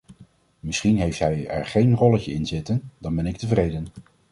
Misschien heeft hij er geen rolletje inzitten, dan ben ik tevreden.